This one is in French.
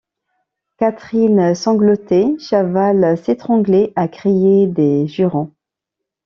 Catherine sanglotait, Chaval s’étranglait à crier des jurons.